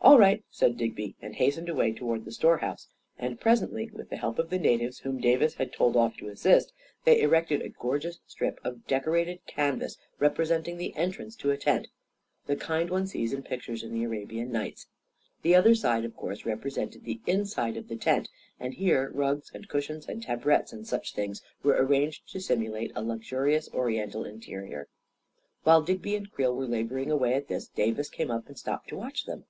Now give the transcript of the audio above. " All right," said Digby, and hastened away to ward the store house; and presently, with the help of the natives whom Davis had told off to assist, they erected a gorgeous strip of decorated canvas representing the entrance to a tent — the kind one sees in pictures in the Arabian Nights. The other side, of course, represented the inside of the tent, and here rugs and cushions and tabourettes and such things were arranged to simulate a luxurious Orien tal interior. A KING IN BABYLON 191 While Digby and Creel were laboring away at this, Davis came up and stopped to watch them.